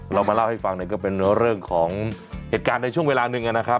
เรามาเล่าให้ฟังก็เป็นเรื่องของเหตุการณ์ในช่วงเวลาหนึ่งนะครับ